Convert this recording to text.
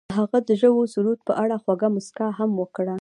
هغې د ژور سرود په اړه خوږه موسکا هم وکړه.